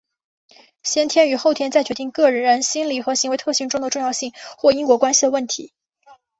先天与后天在决定个人心理和行为特性中的重要性或因果关系的问题。